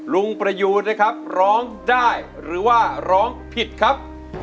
ลุงประยูนนะครับร้องได้หรือว่าร้องผิดครับ